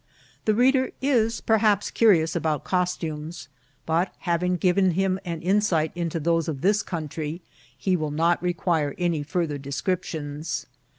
The reader is perhaps curious about costumes ; but having given hin^ an insight into those of this country, he will not require any far ther descriptions.